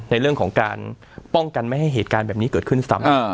ในเรื่องของการป้องกันไม่ให้เหตุการณ์แบบนี้เกิดขึ้นซ้ำ